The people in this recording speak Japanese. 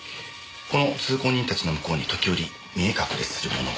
この通行人たちの向こうに時折見え隠れするものが。